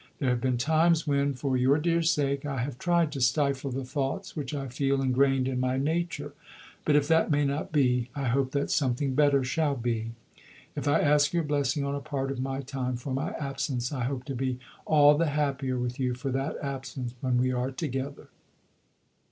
There have been times when, for your dear sake, I have tried to stifle the thoughts which I feel ingrained in my nature. But, if that may not be, I hope that something better shall be. If I ask your blessing on a part of my time for my absence, I hope to be all the happier with you for that absence when we are together.